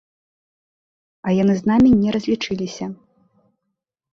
А яны з намі не разлічыліся.